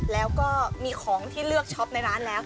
แล้วก็มีของที่เลือกช็อปในร้านแล้ว